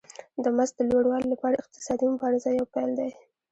د مزد د لوړوالي لپاره اقتصادي مبارزه یو پیل دی